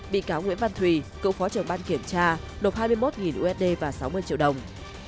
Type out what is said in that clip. bị cáo nguyễn văn thùy cựu phó trưởng ban kiểm tra nộp hai mươi một usd và sáu mươi triệu đồng